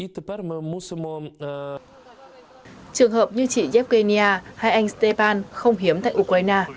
trường hợp như chị yevgenia hay anh stepan không hiếm tại ukraine